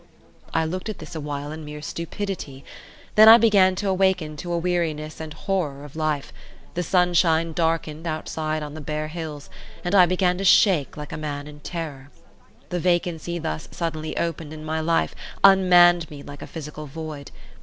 I looked at this awhile in mere stupidity, then I began to awaken to a weariness and horror of life; the sunshine darkened outside on the bare hills, and I began to shake like a man in terror. The vacancy thus suddenly opened in my life unmanned me like a physical void.